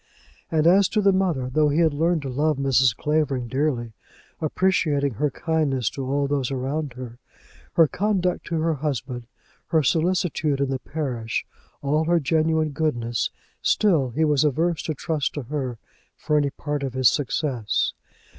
And as to the mother, though he had learned to love Mrs. Clavering dearly, appreciating her kindness to all those around her, her conduct to her husband, her solicitude in the parish, all her genuine goodness, still he was averse to trust to her for any part of his success.